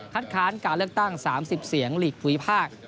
ค้านการเลือกตั้ง๓๐เสียงหลีกภูมิภาค